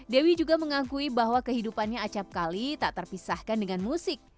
dewi juga mengakui bahwa kehidupannya acapkali tak terpisahkan dengan musik